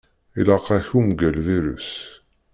Ilaq-ak umgal-virus.